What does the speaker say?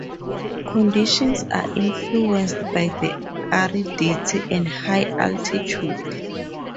Conditions are influenced by the aridity and high altitude.